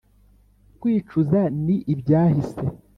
kwicuza ni ibyahise.